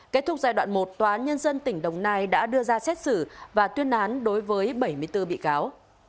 kết thúc giai đoạn một tòa án nhân dân tỉnh đồng nai đã đưa ra xét xử và tuyên án đối với bảy mươi bốn bị cáo